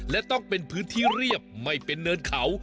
และต้องเป็นพื้นที่เรียบไม่เป็นเนินเขา